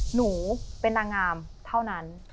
หนูเป็นนางงามเท่านั้น